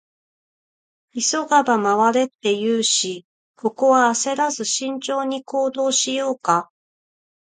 「急がば回れ」って言うし、ここは焦らず慎重に行動しようか。